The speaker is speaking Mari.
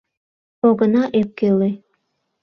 Огына ӧпкеле!